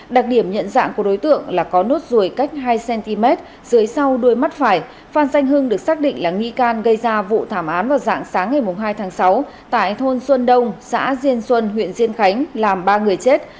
đặc điểm nhận dạng của đối tượng là có nốt ruồi cách hai cm dưới sau đuôi mắt phải phan danh hưng được xác định là nghi can gây ra vụ thảm án vào dạng sáng ngày hai tháng sáu tại thôn xuân đông xã diên xuân huyện diên khánh làm ba người chết